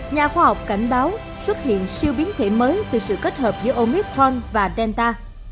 nhà khoa học cảnh báo xuất hiện siêu biến thể mới từ sự kết hợp giữa omicron và delta